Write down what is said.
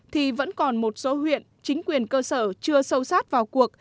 thì vẫn còn một số huyện chính quyền cơ sở chưa sâu sát vào cuộc